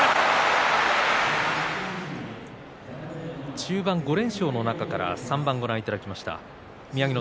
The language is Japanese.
中盤５連勝の中から３番ご覧いただきました。